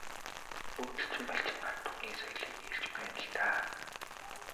Нүүдэлчин малчин ард түмний соёлыг хэлж байна л даа.